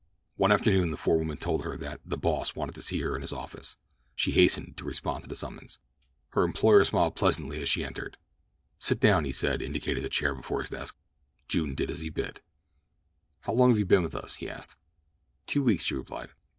One afternoon the forewoman told her that "the boss" wanted to see her in his office. She hastened to respond to the summons. Her employer smiled pleasantly as she entered. "Sit down," he said, indicating a chair beside his desk. June did as he bid. "How long have you been with us?" he asked. "Two weeks," she replied.